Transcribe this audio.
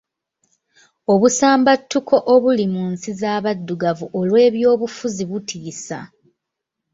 Obusambattuko obuli mu nsi z'abaddugavu olw'ebyobufuzi butiisa.